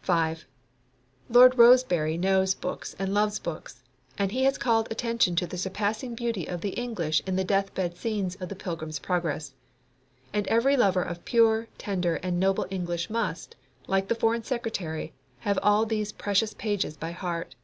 5. Lord Rosebery knows books and loves books, and he has called attention to the surpassing beauty of the English in the deathbed scenes of the Pilgrim's Progress. And every lover of pure, tender, and noble English must, like the Foreign Secretary, have all those precious pages by heart.